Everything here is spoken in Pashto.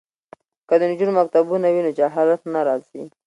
که د نجونو مکتبونه وي نو جهالت نه راځي.